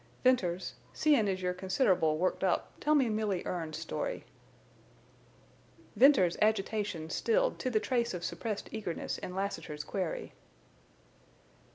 "Venters, seein' as you're considerable worked up, tell me Milly Erne's story." Venters's agitation stilled to the trace of suppressed eagerness in Lassiter's query.